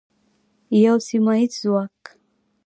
یو سیمه ییز ځواک.